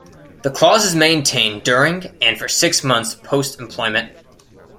The clause is maintained during, and for six months post-employment.